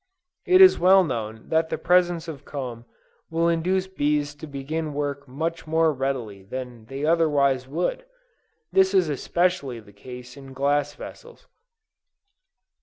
It is well known that the presence of comb will induce bees to begin work much more readily than they otherwise Would: this is especially the case in glass vessels.